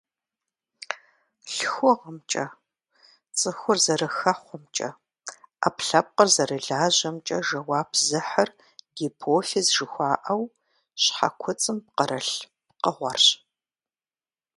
ЛъхугъэмкӀэ, цӀыхур зэрыхэхъуэмкӀэ, Ӏэпкълъэпкъыр зэрылажьэмкӀэ жэуап зыхьыр гипофиз жыхуаӀэу, щхьэкуцӀым пкъырылъ пкъыгъуэрщ.